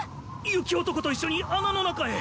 雪男と一緒に穴の中へ。